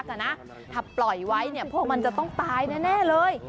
แต่นะถ้าปล่อยไว้เนี่ยพวกมันจะต้องตายแน่เลย